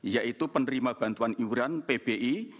yaitu penerima bantuan iuran pbi